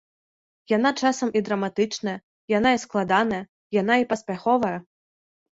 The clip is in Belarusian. Яна часам і драматычная, яна і складаная, яна і паспяховая.